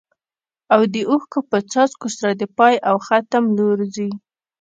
او د اوښکو په څاڅکو سره د پای او ختم په لور ځي.